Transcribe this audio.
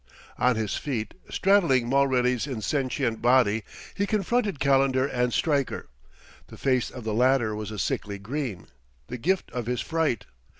On his feet, straddling Mulready's insentient body, he confronted Calendar and Stryker. The face of the latter was a sickly green, the gift of his fright.